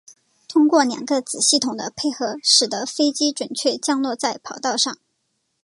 通过两个子系统的配合使得飞机准确降落在跑道上。